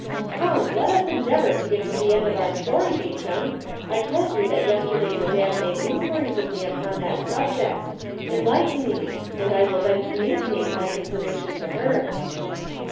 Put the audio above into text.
"Come, let us endeavor to get to the end of our story, Beauchamp; I told you that yesterday Madame made inquiries of me upon the subject; enlighten me, and I will then communicate my information to her."